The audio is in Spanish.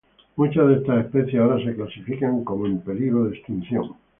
Muchas de estas especies ahora se clasifican como en peligro de extinción.